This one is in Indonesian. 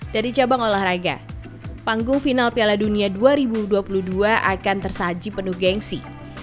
dari cabang olahraga panggung final piala dunia dua ribu dua puluh dua akan tersaji penuh gengsi